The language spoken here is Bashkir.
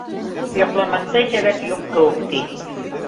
Йоҡламаҫтай сәбәп юҡ кеүек, ти...